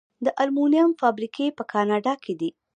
د المونیم فابریکې په کاناډا کې دي.